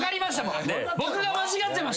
僕が間違ってました。